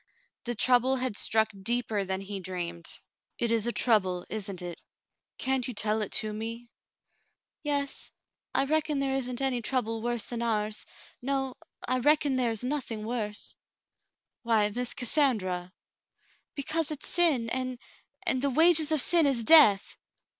The trouble had struck deeper than he dreamed. "It is a trouble, isn't it ? Can't you tell it to me '^."■ "Yes. I reckon there isn't any trouble worse than ours — no, I reckon there is nothing worse." "Why, ]\Iiss Cassandra !" "Because it's sin, and — and *the wages of sin is death.'